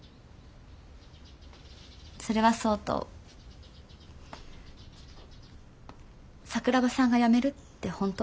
それはそうと桜庭さんがやめるって本当？